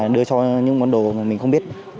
đưa cho những món đồ mà mình không biết